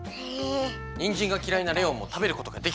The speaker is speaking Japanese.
にんじんがきらいなレオンもたべることができたである。